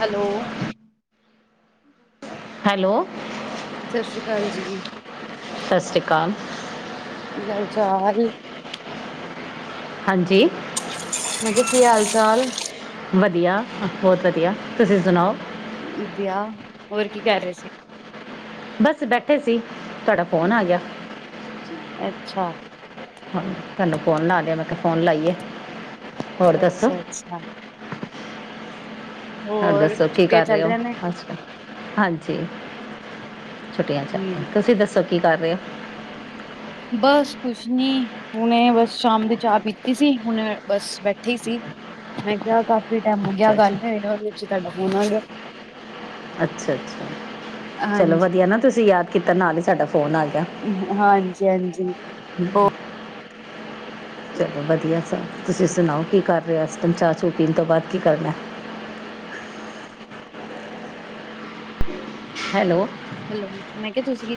Hello, hello, ਸਤਿ ਸ੍ਰੀ ਅਕਾਲ ਜੀ, ਸਤਿ ਸ਼੍ਰੀ ਅਕਾਲ ਕੀ ਹਾਲ ਚਾਲ? ਹਾਂਜੀ, ਮੈਂ ਕਿਹਾ ਕੀ ਹਾਲ ਚਾਲ? ਵਧੀਆ ਬਹੁਤ ਵਧੀਆ, ਤੁਸੀਂ ਸੁਣਾਓ? ਵਧੀਆ, ਹੋਰ ਕੀ ਕਰ ਰਹੇ ਸੀ? ਬਸ ਬੈਠੇ ਸੀ। ਤੁਹਾਡਾ ਫੋਨ ਆ ਗਿਆ ਅੱਛਾ, ਹਾਂ ਤੈਨੂੰ ਫੋਨ ਲਾ ਲਿਆ ਮੈਂ ਕਿਹਾ ਫੋਨ ਲਾਈਏ। ਹੋਰ ਦੱਸੋ ਅੱਛਾ-ਅੱਛਾ, ਹੋਰ ਦੱਸੋ ਕੀ ਛੁੱਟੀਆਂ ਕਰ ਰਹੇ ਚੱਲ ਹੋ? ਰਹੀਆਂ ਨੇ, ਅ ਹਾਂਜੀ ਛੁੱਟੀਆਂ ਚ, ਹਮ ਤੁਸੀਂ ਦੱਸੋ? ਕੀ ਕਰ ਰਹੇ ਹੋ? ਬਸ ਕੁਛ ਨੀ ਹੁਣੇ ਬਸ ਸ਼ਾਮ ਦੀ ਚਾਹ ਪੀਤੀ ਸੀ ਹੁਣ ਬਸ ਬੈਠੇ ਸੀ ਮੈਂ ਕਿਹਾ ਕਾਫੀ ਕਾਫੀ ਟਾਈਮ ਹੋ ਗਿਆ ਅੱਛਾ ਗੱਲ ਅੱਛਾ ਨਹੀਂ ਨੀ ਹੋਈ ਉਹ ਵਿੱਚ ਤੁਹਾਡਾ ਫੋਨ ਆ ਗਿਆ। ਅੱਛਾ-ਅੱਛਾ, ਚਲੋ ਹਾਂਜੀ, ਵਧੀਆ ਨਾ ਤੁਸੀਂ ਯਾਦ ਕੀਤਾ ਨਾਲ ਹੀ ਸਾਡਾ ਫੋਨ ਆ ਗਿਆ। ਹਾਂਜੀ-ਹਾਂਜੀ ਹੋਰ, ਚਲੋ ਵਧੀਆ ਸਭ ਤੁਸੀਂ ਸੁਣਾਓ, ਕੀ ਕਰ ਰਹੇ ਇਸ ਟਾਈਮ ਚਾਹ ਚੂ ਪੀਣ ਤੋਂ ਬਾਅਦ ਕੀ ਕਰਨਾ? ਹੈਲੋ, ਹੈਲੋ ਮੈਂ ਕਿਹਾ ਤੁਸੀਂ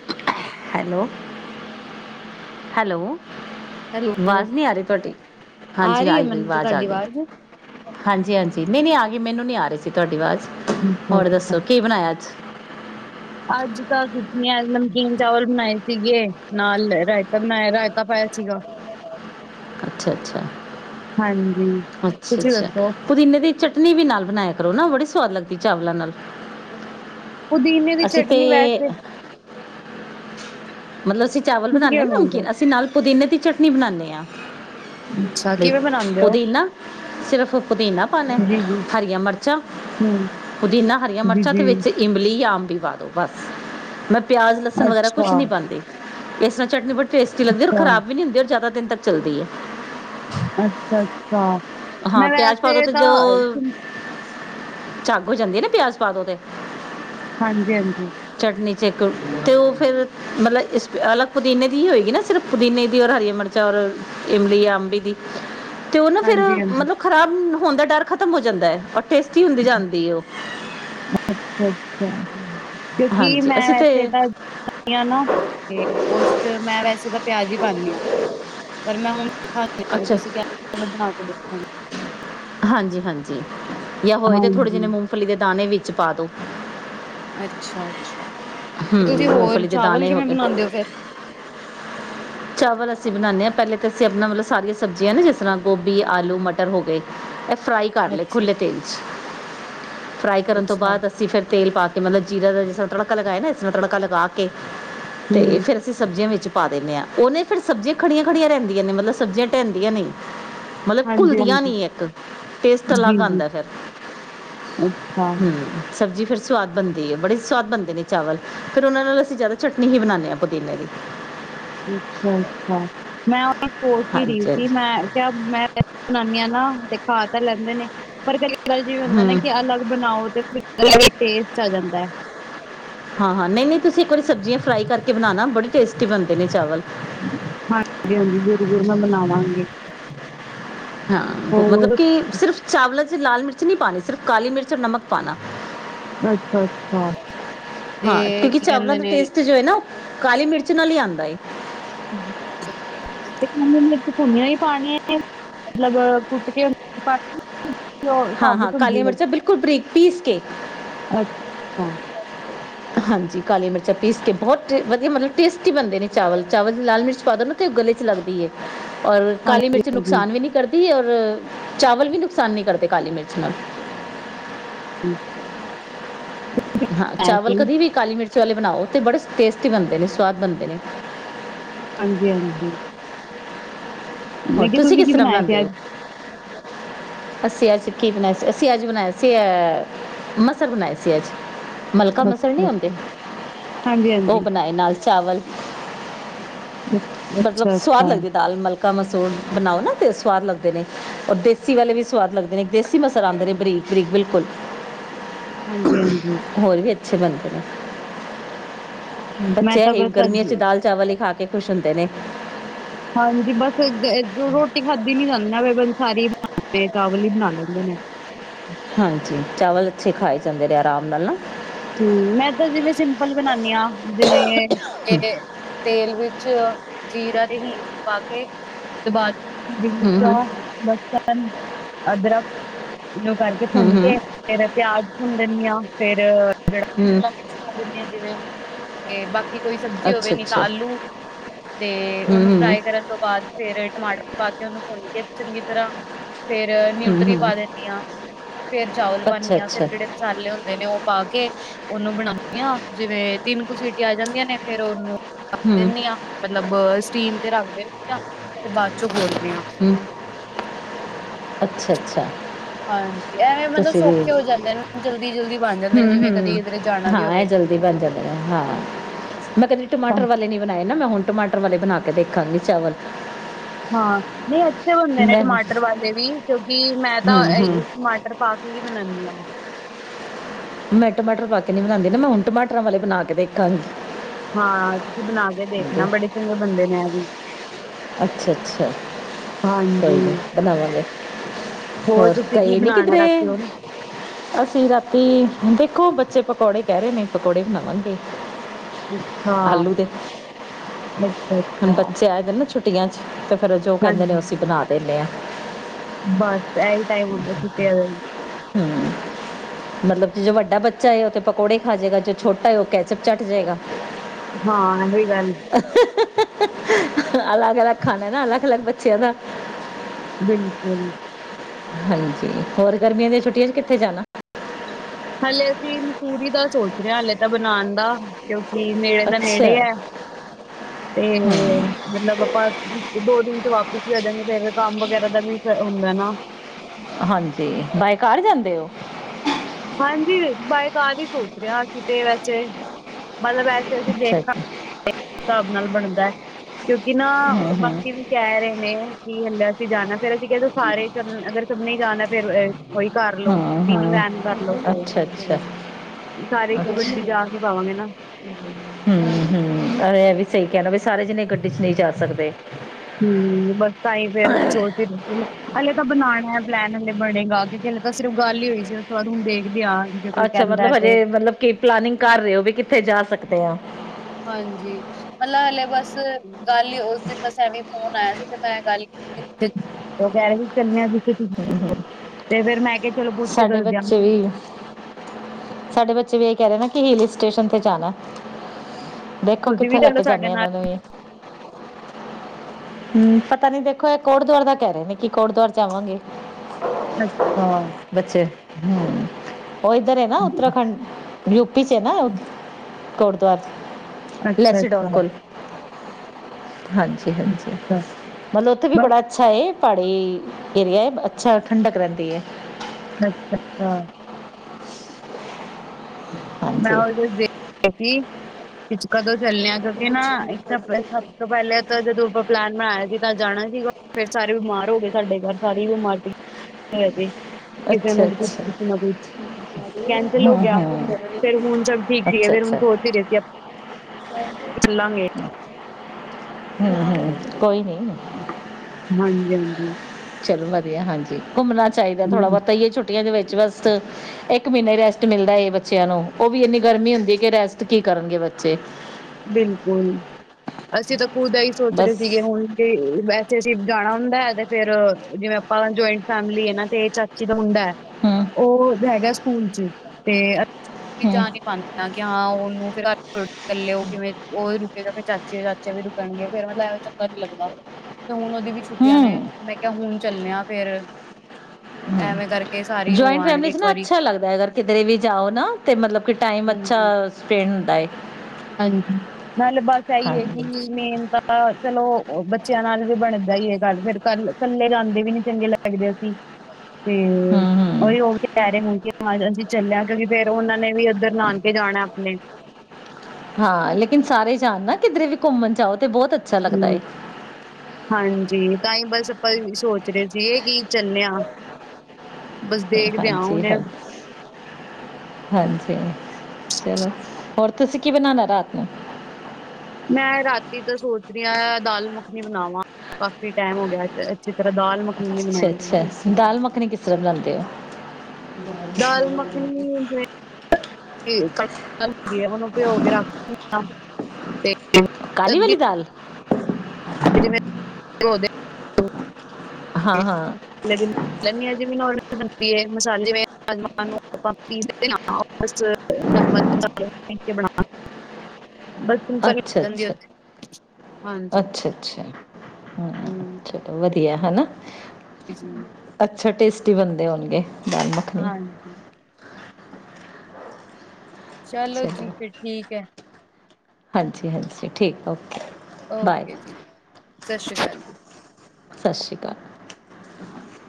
ਹੈਲੋ-ਹੈਲੋ, ਹੈਲੋ, ਆਵਾਜ਼ ਨੀ ਆ ਰਹੀ ਤੁਹਾਡੀ ਆ ਹਾਂਜੀ ਰਹੀ ਹੈ ਆਈ ਗਈ ਮੈਨੂੰ ਤਾਂ ਆਵਾਜ਼ ਆ ਤੁਹਾਡੀ ਗਈ ਹਾਂਜੀ-ਹਾਂਜੀ, ਨਹੀਂ-ਨਹੀਂ ਆ ਗਈ ਮੈਨੂੰ ਨੀ ਆ ਰਹੀ ਸੀ ਤੁਹਾਡੀ ਆਵਾਜ਼ ਅੱਛਾ, ਹੋਰ ਅੱਛਾ। ਦੱਸੋ ਕੀ ਬਣਾਇਆ ਅੱਜ ਅੱਜ ਤਾਂ ਕੁਛ ਨੀ ਏਹ ਨਮਕੀਨ ਚਾਵਲ ਬਣਾਏ ਸੀਗੇ ਨਾਲ ਰਾਇਤਾ ਬਣਾਇਆ ਰਾਇਤਾ ਪਾਇਆ ਸੀਗਾ। ਹਾਂਜੀ ਤੁਸੀਂ ਅੱਛਾ-ਅੱਛਾ-ਅੱਛਾ-ਅੱਛਾ, ਦੱਸੋ ਪੁਦੀਨੇ ਦੀ ਚਟਨੀ ਵੀ ਨਾਲ ਬਣਾਇਆ ਕਰੋ ਨਾ ਬੜੀ ਸੁ ਸਵਾਦ ਲੱਗਦੀ ਚਾਵਲਾਂ ਨਾਲ ਪੁਦੀਨੇ ਦੀ ਅਸੀਂ ਤੇ ਚਟਨੀ ਵੈਸੇ ਮਤਲਬ ਅਸੀਂ ਚਾਵਲ ਤੁਸੀਂ ਬਣਾਣੇ ਆ ਕਿਵੇਂ ਨਾ ਬਣਾਉਂਦੇ ਹੋ ਨਮਕੀਨ ਅਸੀਂ ਨਾਲ ਪੁਦੀਨੇ ਦੀ ਚਟਨੀ ਬਣਾਨੇ ਆ। ਅੱਛਾ ਕਿਵੇਂ ਬਣਾਉਂਦੇ ਹੋ ਪੁਦੀਨਾ ਸਿਰਫ ਪੁਦੀਨਾ ਪਾਣਾ ਜੀ ਜੀ ਹਰੀਆਂ ਮਿਰਚਾਂ ਹੂੰ ਪੁਦੀਨਾ ਹਰੀਆਂ ਜੀ ਮਿਰਚਾਂ ਤੇ ਜੀ ਵਿੱਚ ਇਮਲੀ ਆਮ ਵੀ ਪਾ ਦੋ ਬਸ ਮ ਪਿਆਜ਼ ਲਸਣ ਵਗੈਰਾ ਕੁਛ ਅੱਛਾ ਨਹੀਂ ਪਾਂਦੀ। ਇਸ ਰਾਂ ਚਟਣੀ ਬੜੀ ਟੇਸਟੀ ਲਗਦੀ ਅੱਛਾ ਖ਼ਰਾਬ ਵੀ ਨਈਂ ਹੁੰਦੀ ਜ਼ਿਆਦਾ ਦਿਨ ਤੱਕ ਚੱਲਦੀ ਐ। ਅੱਛਾ ਅੱਛਾ। ਹਾਂ ਮੈਂ ਪਿਆਜ ਵੈਸੇ ਪਾਦੋ ਤੇ ਤਾਂ ਜੋ ਹਾਂਜੀ ਝੱਗ ਹੋ ਜਾਂਦੀ ਏਨਾ ਪਿਆਜ ਪਾ ਦੋ ਤੇ ਹਾਂਜੀ ਹਾਂਜੀ। ਨੀਚ ਇੱਕ ਤੇ ਉਹ ਫਿਰ ਮਤਲਬ ਇਸ ਅਲੱਗ ਪੁਦੀਨੇ ਦੀ ਈ ਹੋਏਗੀ ਨਾ ਸਿਰਫ ਪੁਦੀਨੇ ਦੀ ਔਰ ਹਰੀਆਂ ਮਿਰਚਾਂ ਔਰ ਇਮਲੀ ਜਾਂ ਅੰਬੀ ਦੀ ਤੇ ਉਹ ਨਾ ਫਿਰ ਹਾਂਜੀ ਮਤਲਬ ਖਰਾਬ ਨੂੰ ਹੋਣ ਦਾ ਡਰ ਖਤਮ ਹੋ ਜਾਂਦਾ ਐ, ਔਰ ਟੇਸ ਚੀ ਹੁੰਦੀ ਜਾਂਦੀ ਉਹ ਅੱਛਾ [unintelligible] ਕਿਉਂਕਿ ਹਾਂਜੀ ਮੈਂ ਅਸੀਂ ਤੇ ਵੈਸੇ ਤਾਂ ਆ [unintelligible] ਨਾ ਤੇ ਉਸ ਚ ਮੈਂ ਵੈਸੇ ਤਾਂ ਪਿਆਜ਼ ਹੀ ਪਾਣੀ ਆਂ, ਪਰ ਮੈਂ ਹੁਣ ਤੇ ਖਾ ਅੱਛਾ ਤੁਸੀਂ ਕ ਬਣਾ ਕੇ ਦੇਖਾਂਗੀ। ਹਾਂਜੀ ਹਾਂਜੀ। ਜਾਂ ਹੋਏ ਤੇ ਥੋੜੇ ਜਿ ਨੇ ਹਾਂਜੀ ਮੂੰਗਫਲੀ ਦੇ ਦਾਣੇ ਵੀ ਚ ਪਾਦੋ ਅੱਛਾ ਅੱਛਾ। ਤੇ ਤੁਸੀਂ ਹੋਰ ਮੂੰਗਫਲੀ ਦੇ ਚਾਵਲ ਦਾਣੇ ਹੋ ਕਿਵੇਂ ਗਏ ਬਣਾਉਦੇ ਔ ਫਿਰ ਚਾਵਲ ਅਸੀਂ ਬਣਾਣੇ ਆਂ, ਪਹਿਲੇ ਤਾਂ ਅਸੀਂ ਆਪਣਾ ਮਤਲਬ ਸਾਰੀਆਂ ਸਬਜ਼ੀਆਂ ਨਾ ਜਿਸ ਤਰ੍ਹਾਂ ਗੋਭੀ, ਆਲੂ, ਮਟਰ ਹੋ ਗਏ ਫਰਾਈ ਕਰ ਲਏ ਖੁੱਲ੍ਹੇ ਤੇਲ ਚ ਫਰਾਈ ਕਰਨ ਤੋਂ ਅੱਛਾ-ਅੱਛਾ। ਬਾਅਦ ਅਸੀਂ ਫਿਰ ਤੇਲ ਪਾ ਕੇ ਮਤਲਬ ਜੀਰਾ ਦਾ ਜਿਸ ਤ੍ਹਾਂ ਤੜਕਾ ਲਗਾਾਇਆ ਨਾ ਇਸ ਮੈਂ ਤੜਕਾ ਲਗਾ ਕੇ ਤੇ ਹੂੰ, ਫੇਰ ਅਸੀਂ ਸਬਜ਼ੀਆਂ ਵਿੱਚ ਪਾ ਦੇਣੇ ਆਂ। ਉਹਨੇ ਫਿਰ ਸਬਜ਼ੀਆਂ ਖੜੀਆਂ ਖੜੀਆਂ ਰਹਿੰਦੀਆਂ ਨੇ ਮਤਲਬ ਸਬਜ਼ੀਆਂ ਢਹਦੀਆਂ ਨੀਂ। ਮਤਲਬ ਘੁਲਦੀਆਂ ਹਾਂਜੀ-ਹਾਂਜੀ, ਨੀ ਇੱਕ ਟੇਸਟ ਅਲੱਗ ਜੀ-ਜੀ, ਆਉਂਦਾ ਫਿਰ ਅੱਛਾ, ਹਂ ਸਬਜ਼ੀ ਫਿਰ ਸਵਾਦ ਬਣਦੀ ਐ, ਬੜੇ ਸਵਾਦ ਬਣਦੇ ਨੇ ਚਾਵਲ ਫਿਰ ਉਹਨਾਂ ਨਾਲ ਅਸੀਂ ਜ਼ਿਆਦਾ ਚਟਨੀ ਹੀ ਬਣਾਣੇ ਆਂ ਪੁਦੀਨੇ ਦੀ। ਅੱਛਾ ਅੱਛਾ, ਮੈਂ ਸੋਚ ਹੀ ਰਹੀ ਹਾਂਜੀ ਸੀ ਹਾਂਜੀ ਮੈਂ ਕਿਹਾ ਮੈਂ ਬਨਾਨੀਆਂ ਨਾ ਤੇ ਖਾ ਲੈਂਦੇ ਨੇ ਪਰ ਕ [unintelligible] ਹੁੰਦਾ ਨਾ ਹੂੰ ਕਿ ਅਲੱਗ ਬਣਾਓ ਤੇ ਫ ਟਸਟ ਚੱਲ ਜਾਂਦਾ। ਹਾਂ ਹਾਂ ਨਹੀਂ ਨਹੀਂ। ਤੁਸੀਂ ਇੱਕ ਵਾਰੀ ਸਬਜ਼ੀਆਂ ਫਰਾਈ ਕਰਕੇ ਬਣਾਣਾ ਬੜੀ ਟੇਸਟੀ ਬਣਦੇ ਨੇ ਚਾਵਲ। ਹਾਂਜੀ-ਹਾਂਜੀ, ਜ਼ਰੂਰ ਮੈਂ ਬਣਾਵਾਂਗੀ ਹਾਂ, ਮਤਲਬ ਹੋਰ ਕਿ ਸਿਰਫ ਚਾਵਲ ਲਾਲ ਮਿਰਚ ਨੀ ਪਾਣੀ ਸਿਰਫ ਕਾਲੀ ਮਿਰਚ ਔਰ ਨਮਕ ਪਾਣਾ। ਅੱਛਾ ਅੱਛਾ, ਹਾਂ ਤੇ ਕਿਉਂਕਿ ਕੀ ਚਾਵਲਾਂ ਕਹਿੰਦੇ ਦਾ ਨੇ। ਟੇਸਟ ਜੋ ਹੈ ਨਾ ਉਹ ਕਾਲੀ ਮਿਰਚ ਨਾਲ ਹੀ ਆਂਦਾ ਏ। ਤੇ ਕ ਮਿਰਚ ਭੁੰਨੀਆਂ ਹੀ ਪਾਣੀ ਆ ਮਤਲਬ ਕੁੱਟ ਕੇਣੀ ਹਾਂ ਹਾਂ, ਕਾਲੀਆਂ ਮਿਰਚਾਂ ਬਿਲਕੁਲ ਬਰੀਕ ਪੀਸ ਕੇ ਅੱਛਾ। ਹਾਂਜੀ, ਕਾਲੀ ਮਿਰਚਾਂ ਪੀਸ ਕੇ ਬਹੁਤ ਵਧੀਆਂ ਮੱਤਲਬ ਟੇਸਟੀ ਬਣਦੇ ਨੇਂ ਚਾਵਲ। ਚਾਵਲ ਚ ਲਾਲ ਮਿਰਚ ਪਾ ਦਿਓ ਨਾਂ ਤੇ ਉਹ ਗਲੇ ਚ ਲੱਗਦੀ ਏਂ। ਔਰ ਕਾਲੀ ਹਾਂਜੀ ਮਿਰਚ ਹਾਂਜੀ ਨੁਕਸ਼ਾਨ ਵੀ ਨੀਂ ਕਰਦੀ। ਔਰ ਚਾਵਲ ਵੀ ਨੁਕਸ਼ਾਨ ਨੀਂ ਕਰਦੇ ਕਾਲੀ ਮਿਰਚ ਨਾਲ਼। [inaudible] ਹਾਂ, ਬਣਾਇਆ ਚਾਵਲ ਸੀ ਕਦੀਂ ਵੀ ਕਾਲ਼ੀ ਮਿਰਚ। ਮਿਰਚ ਆਲੇ ਬਣਾਓ ਅਤੇ ਬੜੇ ਟੇਸਟੀ ਬਣਦੇ ਨੇ ਸਵਾਦ ਬਣਦੇ ਨੇਂ। ਹਾਂਜੀ ਹਾਂਜੀ। ਹੋਰ ਮੈਂ ਕਿਹਾ ਤੁਸੀਂ ਕਿਸ ਕੀ ਤਰ੍ਹਾਂ ਬਣਾਇਆ ਸੀ ਬਣਾਂਦੇ ਹੋ ਅਸੀਂ ਅੱਜ ਕੀ ਬਣਾਇਆ ਸੀ। ਅਸੀਂ ਅੱਜ ਬਣਾਇਆਂ ਸੀ ਐ ਮਸਰ ਬਣਾਏ ਸੀ ਅੱਜ। ਮਲਕਾ ਅੱਜ ਮਸਰ ਨੀਂ ਹੁੰਦੇ ਅੱਛਾ ਅੱਛਾ ਹਾਂਜੀ ਉਹ ਹਾਂਜੀ ਬਣਾਏ ਨਾਲ਼। ਚਾਵਲ। ਅੱਛ- ਮਤਲਬ ਅੱਛਾ ਸਵਾਦ ਅੱਛਾ ਲੱਗਦੀ ਦਾਲ ਮਲਕ। ਮੱਕਾ ਮਸਰ ਬਣਾਓ ਨਾਂ ਤੇ ਸਵਾਦ ਲਗਦੇ ਨੇਂ ਏ ਦੇਸੀ ਵਾਲੇ ਵੀ ਸਵਾਦ ਲੱਗਦੇ ਨੇ ਦੇਸੀ ਮਸਰ ਆਉਦੇ ਨੇ ਬਰੀਕ ਬਰੀਕ। ਹਾਂਜੀ ਹਾਂਜੀ। ਹੋਰ ਵੀ ਅੱਛੇ ਬਣਦੇ ਨੇਂ। ਮੈਂ ਬੱਚੇ ਤਾਂ ਹੀ ਬਸ ਗਰਮੀਆਂ ਅੱਜ ਚ ਦਾਲ ਚਾਵਲ ਹੀ ਖਾਂ ਕੇ। ਖੁਸ਼ ਹੁੰਦੇ ਨੇਂ। ਹਾਂਜੀ ਬਸ ਇਧਰੋਂ ਰੋਟੀ ਖਾਧੀ ਨੀ ਜਾਂਦੀ ਨਾ [unintelligible] ਸਾਰ ਚਾਵਲ ਹੀ ਬਣਾਂ ਲੈਂਦੇ ਨੇਂ। ਹਾਂਜੀ ਚਾਵਲ ਅੱਛੇ ਖਾਏ ਜਾਂਦੇਂ ਨੇ ਆਰਾਮ ਨਾਲ ਨਾਂ। ਹੂੰ, ਮੈਂ ਤਾਂ ਜਿਵੇਂ ਸਿੰਪਲ ਬਣਾਣੀ ਹਾਂ ਜਿਵੇਂ ਤੇ ਤੇਲ ਵਿੱਚ। ਜ਼ੀਰਾ ਤੇ ਹਿੰਗ ਪਾ ਕੇ ਬਾਅਦ। ਹੂੰ ਹੂੰ ਪਿਆਜ਼, ਲਸਣ, ਅਦਰਕ। ਉਨੂੰ ਕਰਕੇ ਭੁੰਨ ਹੂੰ ਹੂੰ ਕੇ ਫ਼ਿਰ ਪਿਆਜ਼ ਭੁੰਨ ਦਿਨੀ ਆ। ਫਿਰ। ਗੜਕਣ ਹੂੰ ਸ਼ਿਮਲਾ ਮਿਰਚ ਪਾ ਦਿਨੀ ਆ ਵਿੱਚ ਜਿਵੇਂ। ਤੇ ਬਾ ਕਿ ਕੋਈ ਸਬਜ਼ੀ ਹੋਵੇ ਅੱਛਾ ਨਹੀਂ ਤਾਂ ਅੱਛਾ ਆਲੂ ਤੇ ਹੂੰ ਉਹਨੂੰ ਹੂੰ ਫਰਾਈ ਕਰਨ ਤੋਂ ਬਾਅਦ ਫਿਰ ਟਮਾਟਰ ਪਾ ਕੇ ਉਹਨੂੰ ਭੁੰਨ ਕੇ ਚੰਗੀ ਤਰ੍ਹਾਂ। ਫਿਰ ਹੂੰ ਨਿਊਟਰੀ ਹੂੰ ਪਾ ਦਿੰਦੀ ਹਾਂ ਫਿਰ ਚਾਵਲ ਅੱਛਾ ਪਾਉਦੀ ਹਾਂ ਫਿਰ ਅੱਛਾ ਜਿਹੜੇ ਮਸਾਲੇ ਹੁੰਦੇ ਨੇਂ ਉਹ ਪਾ ਕੇ। ਉਹਨੂੰ ਬਣਾਉਂਦੀ ਆ ਜਿਵੇਂ ਤਿੰਨ ਕੁ ਸੀਟੀਆਂ ਆ ਜਾਂਦੀਆਂ ਨੇ ਫਿਰ ਉਹਨੂੰ। ਢੱਕ ਹੂੰ ਦਿੰਨੀ ਆ, ਮੱਤਲਬ ਸਟੀਮ ਤੇ ਰੱਖ ਦਿਨੀ [unintelligible] ਤੇ ਬਾਅਦ ਚੋਂ ਹੋਲੀ [unintelligible] ਅੱਛਾ-ਅੱਛਾ। ਹਾਂਜੀ ਐਵੇਂ ਮਤਲਬ ਤੁਸੀਂ ਵੀ ਸੌਖੇ ਹੋ ਉਹੀ, ਜਾਂਦੇ ਨੇ ਜਲਦੀ ਜਲਦੀ ਬਣ ਜਾਂਦੇ ਨੇ ਹੂੰ ਜਿਵੇਂ ਕਦੀ ਹੂੰ ਕਿਧਰੇ ਜਾਣਾ ਹਾਂ ਵੀ ਇਹ ਹੋਵੇ ਜ਼ਲਦੀ ਬਣ ਜਾਂਦੇ ਨੇ, ਹਾਂ ਮੈਂ ਕਦੀਂ ਹਾਂ ਟਮਾਟਰ ਵਾਲ਼ੇ ਨੀਂ ਬਣਾਏ ਨਾਂ ਮੈਂ ਹੋਰ ਟਮਾਟਰ ਵਾਲੇ ਬਣਾ ਕੇ ਦੇਖਾਂਗੀ ਚਾਵਲ ਹਾਂ, ਨਹੀਂ ਵਧੀਆ ਹੁੰਦੇ ਨੇ ਮੈਂ ਟਮਾਟਰ ਵਾਲੇ ਵੀ ਕਿਉਂਕਿ ਮੈਂ ਤਾਂ ਹੂੰ ਹੂੰ ਟਮਾਟਰ ਪਾ ਕੇ ਹੀ [unintelligible] ਮੈਂ ਟਮਾਟਰ ਪਾ ਕੇ ਨ ਨਹੀਂ ਬਣਾਉਂਦੀ ਨਾ ਮੈਂ ਹੁਣ ਟਮਾਟਰਾਂ ਵਾਲੇ ਬਣਾ ਕੇ ਦੇਖਾਂਗੀ। ਹਾਂ। ਬਣਾ ਕੇ ਦੇਖਣਾ ਬੜੇ ਚੰਗੇ ਬੰਦੇ ਨੇ ਇਹ ਵੀ, ਅੱਛਾ-ਅੱਛਾ, ਹਾਂਜੀ ਕੋਈ ਨੀ ਬਣਾਵਾਂਗੇ ਹੋਰ ਤੁਸੀਂ ਕੀ ਕਈ ਨੀ ਬਣਾਉਣਾ ਕਿਧਰੇ, ਰਾਤੀ ਹੁਣ ਅਸੀਂ ਰਾਤੀ ਦੇਖੋ ਬੱਚੇ ਪਕੌੜੇ ਕਹਿ ਰਹੇ ਨੇ ਪਕੌੜੇ ਬਣਾਵਾਂਗੇ। ਹਾਂ, ਆਲੂ ਦੇ ਹੁਣ ਅੱਛਾ-ਅੱਛਾ। ਬੱਚੇ ਆਏ ਦਿਨ ਨਾ ਛੁੱਟੀਆਂ 'ਚ ਫਿਰ ਜੋ ਕਹਿੰਦੇ ਨੇ ਅਸੀਂ ਬਣਾ ਦਿੰਦੇ ਹਾਂ ਬਸ ਐਹੀ ਟਾਈਮ ਹੁੰਦਾ ਹੂੰ ਮਤਲਬ ਜੋ ਵੱਡਾ ਬੱਚਾ ਹੈ ਉਹ ਤੇ ਪਕੌੜੇ ਖਾ ਜਾਏਗਾ ਜੋ ਛੋਟਾ ਹੈ ਉਹ ਕੈਚਅਪ ਚਟ ਜਾਏਗਾ। ਹਾਂ ਇਹੀ ਗੱਲ [unintelligible] ਅਲੱਗ ਅਲੱਗ ਖਾਣਾ ਨਾ ਅਲੱਗ ਅਲੱਗ ਬੱਚਿਆਂ ਦਾ ਬਿਲਕੁਲ। ਹਾਂਜੀ ਹੋਰ ਗਰਮੀਆਂ ਦੀਆਂ ਛੁੱਟੀਆਂ ਚ ਕਿੱਥੇ ਜਾਣਾ ਹਲੇੇ ਅਸੀਂ ਮਸੂਰੀ ਦਾ ਸੋਚ ਰਹੇ ਹਾਂ ਹਾਲੇ ਤਾਂ ਬਣਾਉਣ ਦਾ ਕਿਉਂ, ਕਿ ਨੇੜੇ ਦਾ ਅੱਛਾ ਨੇੜੇ ਹੈ ਹੂੰ ਤੇ, ਮਤਲਬ ਆਪਾਂ ਦੋ ਦਿਨ ਚ ਵਾਪ ਕਿ ਹੋ ਜਾਂ ਫਿਰ ਕੰਮ ਵਗੈਰਾ ਦਾ ਵੀ ਹੁੰਦਾ ਨਾ। ਹਾਂਜੀ ਬਏ ਘਰ ਜਾਂਦੇ ਹੋ। ਹਾਂਜੀ ਬਏਕਾਰ ਹੀ ਸੋਚ ਰਿਹਾ ਅਸੀਂ ਤੇ ਵੈਸੇ। ਮਤਲਬ ਐਸੇ ਅਸੀਂ ਅੱਛਾ ਦੇਖਾਂ ਅੱਛਾ ਹਿਸਾਬ ਨਾਲ ਬਣਦਾ ਐ ਕਿਉਂਕਿ ਨਾ ਹੂੰ ਹੂੰ ਬਾਕੀ ਵੀ ਕਹਿ ਰਹੇ ਨੇ ਕੀ ਹੁੰਦਾ ਜਾਣਾ ਫੇਰ ਅਸੀਂ ਕਿਹਾ ਸਾਰੇ ਚ ਅਗਰ ਸਭ ਨੇ ਹੀ ਜਾਣਾ ਫਿਰ ਏ। ਹਾਂ ਹਾਂ, ਅੱਛਾ ਅੱਛਾ ਸਾਰੇ ਇੱਕੋ ਅੱਛਾ ਗੱਡੀ ਜਾ ਨਹੀਂ ਪਾਵਾਂਗੇ ਨਾ ਹੂੰ ਹੂੰ ਔਰ ਇਹ ਵੀ ਸਹੀ ਕਹਿਣਾ ਵੀ ਸਾਰੇ ਜਣੇ ਗੱਡੀ ਚ ਨਹੀਂ ਜਾ ਸਕਦੇ। ਹਮ, ਬਸ ਤਾਂ ਹੀ ਫਿਰ ਅਸੀਂ ਸੋਚ ਹੀ ਰਹੇ ਸੀ ਹਲੇ ਤਾਂ ਬਣਾਣਾ ਪਲੈਨ ਹਲੇ ਬਣੇਗਾ ਕਿ ਹਲੇ ਤਾਂ ਸਿਰਫ ਗੱਲ ਹੀ ਹੋਈ ਸੀ ਉਸ ਤੋਂ ਬਾਅਦ ਹੁੰਦੇ ਅੱਛਾ ਮਤਲਬ ਹਜੇ ਮਤਲਬ ਕੀ ਪਲਾਨਿੰੰਗ ਕਰ ਰਹੇ ਹੋ ਵੀ ਕਿੱਥੇ ਜਾ ਸਕਦੇ ਹਾਂ। ਹਾਂਜੀ, ਮਤਲਬ ਹਲੇ ਬਸ ਗੱਲ ਹੀ ਉਸ ਦਿਨ ਬਸ ਐਵੇ ਫੋਨ ਆਇਆ ਸੀ ਤੇ ਮੈਂ ਗੱਲ ਕੀਤੀ ਚ [unintelligible] ਤੇ ਫੇਰ ਮੈਂ ਕਿਹਾ ਚਲੋ ਪੁੱਛ ਕੇ ਸਾਡੇ ਦੱਸਦੇ ਆਂ ਬੱਚੇ ਵੀ ਸਾਡੇ ਬੱਚੇ ਵੀ ਇਹ ਕਹਿ ਰਹੇ ਨਾ ਕਿ ਹਿੱਲ ਸਟੇਸ਼ਨ ਤੇ ਜਾਣਾ। ਦੇਖੋ ਤੁਸੀਂ ਵੀ ਕਿੱਥੇ ਲੈ ਚਲੋ ਕੇ ਸਾਡੇ ਜਾਂਣੇ ਇਹਨਾਂ ਨਾਲ ਨੇ ਹੂੰ, ਪਤਾ ਨੀ ਦੇਖੋ ਇਹ ਗੁਰੂ ਦੁਆਰ ਦਾ ਕਹਿ ਰਹੇ ਨੇ ਕੀ ਗੁਰੂ ਦੁਆਰ ਜਾਵਾਂਗੇ। ਅੱਛਾ। ਹੂੰ। ਉਹ ਇੱਧਰ ਹੈ ਨਾ ਉੱਤਰਾਖੰਡ ਯੂ ਪੀ ਚ ਨਾ ਗੁਰਦੁਆਰਾ- ਅੱਛਾ ਅੱਛਾ ਲੈਸੀਡੋਨਕੋਲ ਹਾਂਜੀ, ਹਾਂਜੀ ਅੱਛਾ ਮਤਲਬ ਉੱਥੇ ਵੀ ਬਸ ਬੜਾ ਅੱਛਾ ਐ ਪਹਾੜੀ ਏਰੀਆ ਅੱਛਾ ਠੰਡਕ ਰਹਿੰਦੀ ਹੈ। ਅੱਛਾ ਅੱਛਾ। ਮੈਂ ਹਾਂਜੀ ਉਹ ਦੇਖਆ ਸੀ। ਵਿੱਚ। ਕਦੋਂ ਚੱਲਣੇ ਆ ਕਿਉਂਕਿ ਨਾ ਇੱਕ ਤਾਂ ਸਭ ਤੋਂ ਪਹਿਲਾਂ ਤਾਂ ਜਦੋਂ ਆਪਾਂ ਪਲੈਨ ਬਣਾਇਆ ਸੀ ਤਾਂ ਜਾਣਾ ਸੀਗਾ। ਫੇਰ ਸਾਰੇ ਬਿਮਾਰ ਹੋ ਗਏ। ਸਾਡੇ ਘਰ ਸਾਰੇ ਹੀ ਬਿਮਾਰੀ ਸੀ ਪਏ ਹੋਏ ਸੀ ਕਿਸੇ ਅੱਛਾ ਨੂੰ ਕੁਛ ਅੱਛਾ [unintelligible] ਕੈਂਸਲ ਹੂੰ ਹੋ ਗਿਆ। ਹੂੰ ਹੁਣ ਸਭ ਠੀਕ ਹੈ ਅੱਛਾ ਫੇਰ ਹੁਣ ਅੱਛਾ ਸੋਚ ਹੀ ਰਹੇ ਸੀ ਆਪਾਂ ਚੱਲਾਂਗੇ। ਹੂੰ ਹੂੰ। ਕੋਈ ਨਹੀਂ ਹਾਂਜੀ, ਹਾਂਜੀ ਹੂੰ ਚਲੋ ਵਧੀਆ ਹਾਂਜੀ। ਘੁੰਮਣਾ ਚਾਹੀਦਾ ਥੋੜ੍ਹਾ ਹਮ, ਬਹੁਤ ਇਹੀਓ ਛੁੱਟੀਆਂ ਦੇ ਵਿੱਚ ਬਸ ਇੱਕ ਮਹੀਨਾ ਹੀ ਰੈਸਟ ਮਿਲਦਾ ਹੈ, ਬੱਚਿਆਂ ਨੂੰ ਉਹ ਵੀ ਇੰਨੀ ਗਰਮੀ ਹੁੰਦੀ ਕਿ ਰੈਸਟ ਕੀ ਕਰਨਗੇ ਬੱਚੇ ਬਿਲਕੁਲ ਅਸੀਂ ਤਾਂ ਉਦਾ ਹੀ ਸੋਚ ਰਹੇ ਬਸ ਸੀਗੇ ਹੁਣ ਤੇ ਬਸ ਤੇ ਅਸੀਂ ਜਾਣਾ ਹੁੰਦਾ ਹੈ, ਤੇ ਫੇਰ ਜਿਵੇਂ ਆਪਾਂ ਜੁਆਇੰਟ ਫੈਮਲੀ ਨਾ ਤੇ ਚਾਚੀ ਦਾ ਮੁੰਡਾ ਹੈ ਹੂੰ ਉਹ ਹੈਗਾ ਸਕੂਲ ਚ ਤੇ ਹੂੰ ਜਾ ਨਹੀਂ ਪਾਦੀਆਂ ਕਿ ਹਾਂ ਉਹਨੂੰ ਫਿਰ ਘਰ ਛੋੜ [inaudible] ਚ ਲੈਓ। ਜਿਵੇਂ ਉਹ ਰੁਕੇਗਾ ਫਿਰ ਚਾਚੇ ਚਾਚੇ ਵੀ ਰੁਕਣਗੇ ਫੇਰ ਮਤਲਬ ਐਵੇ ਚੰਗਾ ਨੀ ਲੱਗਦਾ। ਹੁਣ ਉਹਦੀ ਵੀ ਛੁੱਟੀਆਂ ਨੇ ਹੂੰ ਮੈਂ ਕਿਹਾ ਹੁਣ ਚੱਲਿਆ ਫੇਿਰ ਐਵੇਂ ਕਰਕੇ ਸਾਰੇ ਹੋ ਜੋਇੰਟ ਆਣਗੇ ਫੈਮਿਲੀ ਚ ਇੱਕ ਨਾ ਵਾਰੀ ਅੱਛਾ ਲੱਗਦਾ ਕਿ ਵੀ ਜਾਓ ਨਾ ਤੇ ਮਤਲਬ ਟਮ ਅਛਾ ਹਾਂਜੀ ਸਪੈਂਡ ਹੈ ਹਾਂਜੀ ਨਾਲ ਬਸ ਇਹੀ ਹੈ ਕਿ ਹਾਂਜੀ ਮੇਨ ਤਾਂ ਚਲੋ ਬੱਚਿਆਂ ਨਾਲ ਵੀ ਬਣਦਾ ਹੀ ਹੈ ਗੱਲ ਫੇਿਰ ਕੱਲ ਕੱਲੇ ਜਾਂਾਦੇ ਵੀ ਨੀ ਚੰਗੇ ਲੱਗਦੇ ਅਸੀਂ ਤੇ ਹੂੰ ਹੂੰ ਉਹੀ ਉਹ ਵੀ ਪਰੇ ਮੁੰਗੇ ਮਜਾ ਜੀ ਚੱਲਿਆ ਕਿਉਂਕਿ ਫੇਰ ਉਹਨਾਂ ਨੇ ਵੀ ਇੱਧਰ ਨਾਨਕੇ ਜਾਣਾ ਆਪਣੇ ਹਾਂ ਲੇਕਿਨ ਸਾਰੇ ਜਾਣ ਨਾ ਕਿਧਰੇ ਵੀ ਘੁੰਮਣ ਜਾਓ ਤੇ ਬਹੁਤ ਅੱਛਾ ਲੱਗਦਾ ਹਮ ਹੈ ਹਾਂਜੀ ਤਾਂ ਹੀ ਬਸ ਆਪਾਂ ਸੋਚ ਰਹੇ ਸੀਗੇ ਕਿ ਚੱਲੇ ਆ, ਬਸ ਦੇਖਦੇ ਆ ਹਾਂਜੀ ਹੁਣੇ ਹ ਹਾਂਜੀ ਚਲੋ ਹੋਰ ਤੁਸੀਂ ਕੀ ਬਣਾਉਣਾ ਰਾਤ ਨੂੰ ਮੈਂ ਰਾਤੀ ਦਾ ਸੋਚ ਰਹੀ ਹਾਂ ਦਾਲ ਮੱਖਣੀ ਬਣਾਵਾਾਂ ਕਾਫੀ ਟਾਈਮ ਹੋ ਗਿਆ ਅੱਛਾ ਅੱਛਾ ਅੱਛਾ ਦਾਲ ਮੱਖਣੀ ਕਿਸ ਤਰ੍ਹਾਂ ਬਣਾਉਂਦੇ ਹੋ ਦਾਲ ਮੱਖਣੀ ਜਿਵੇ ਹੁੰਦੀ ਹੈ [inaudible] ਉਹਨੂੰ ਭਿਓ ਕੇ ਰੱਖ ਹ ਕਾਲੀ ਵਾਲੀ ਦਾਲ [inaudible] ਹਾਂ ਹਾਂ ਮਸਾਲੇ [inaudible] [unintelligible] ਰਾ ਬਣਾ ਬੱਸ ਨੂੰ ਪਰਿਲ ਅੱਛਾ ਜਾਂਦੀ ਅੱਛਾ ਉੱਥੇ ਹਾਂਜੀ ਹੂੰ ਚਲੋ ਵਧੀਆ ਹਨਾ ਜੀ ਅੱਛਾ ਟੇਸਟੀ ਬਣਦੇ ਹੋਣਗੇ ਦਾਲ ਮੱਖਣੀ ਹਾਂਜੀ ਚਲੋ ਜੀ ਫਿਰ ਠੀਕ ਹੈ ਹਾਂਜੀ ਹਾਂਜੀ ਠੀਕ ਓਕੇ ਬਾਏ ਓਕੇ ਜੀ ਸਤਿ ਸ੍ਰੀ ਅਕਾਲ ਜੀ ਹ